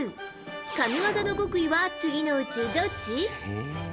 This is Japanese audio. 神技の極意は、次のうちどっち？